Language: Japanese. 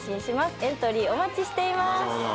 エントリーお待ちしています。